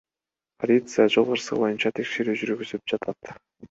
Полиция жол кырсыгы боюнча текшерүү жүргүзүп жатат.